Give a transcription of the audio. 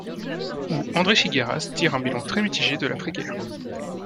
Où André Figueras tire un bilan très mitigé de l'après-guerre.